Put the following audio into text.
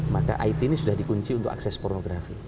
maka it ini sudah dikunci untuk akses pornografi